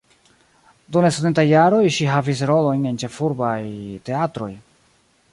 Dum la studentaj jaroj ŝi havis rolojn en ĉefurbaj teatroj.